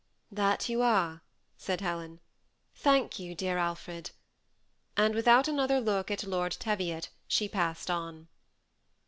" That you are," said Helen ;" thank you, dear Al fred;" and without another look at Lord Teviot she passed on.